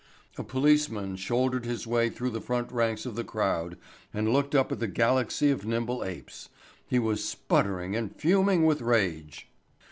A policeman shouldered his way through the front ranks of the crowd and looked up at the galaxy of nimble apes. He was sputtering and fuming with rage.